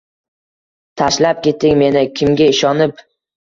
Tashlab ketding meni kimga ishonib